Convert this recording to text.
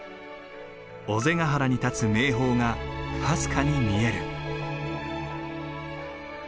尾瀬ヶ原に立つ名峰がかすかに見える。